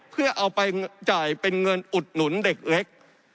เพื่อเอาไปจ่ายเป็นเงินอุดหนุนเด็กเล็ก